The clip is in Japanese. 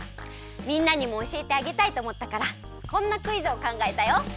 みんなにもおしえてあげたいとおもったからこんなクイズをかんがえたよ。